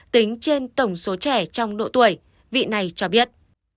tính trên tổng số trẻ trong độ tuổi vị này cho biết